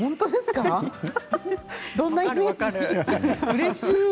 うれしい。